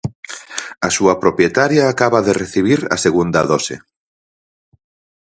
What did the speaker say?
A súa propietaria acaba de recibir a segunda dose.